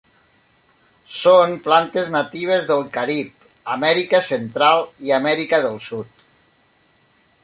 Són plantes natives del Carib, Amèrica Central i Amèrica del Sud.